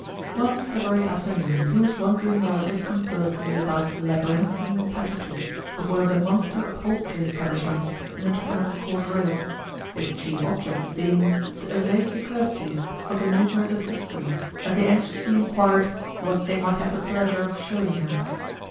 One February afternoon he was wandering rather disconsolately about the labyrinthine passages of one of the monster upholstery es tablishments in the Tottenham Court Road, his chief object being to evade the courtesies of the numerous assistants as they anxiously in quired what they might have the pleasure of showing him.